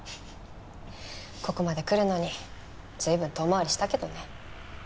ここまで来るのに随分遠回りしたけどね。